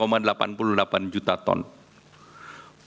beras kita turun sebesar enam delapan